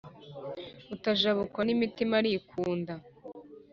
Rutajabukwa n’imitima arikunda